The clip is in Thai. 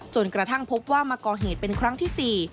จนกระทั่งพบว่ามาก่อเหตุเป็นครั้งที่๔